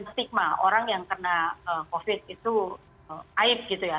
stigma orang yang kena covid itu aib gitu ya